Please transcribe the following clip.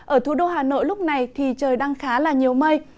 ở thủ đô hà nội lúc này thì trời đang khá là nhiều mây